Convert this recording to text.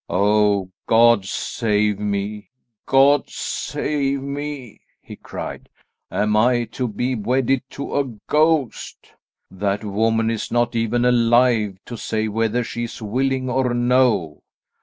"Oh, God save me; God save me!" he cried; "am I to be wedded to a ghost? That woman is not even alive, to say whether she is willing or no.